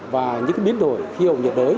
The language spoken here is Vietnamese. và những biến đổi khí hậu nhiệt đới